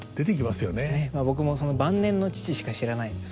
僕も晩年の父しか知らないので。